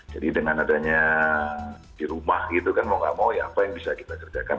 jadi dengan adanya di rumah gitu kan mau nggak mau ya apa yang bisa kita kerjakan